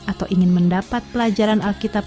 atau ingin mendapat pelajaran alkitab